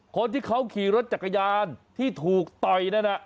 คนที่เขาขี่รถจักรยานที่ถูกต่อยนั่นน่ะ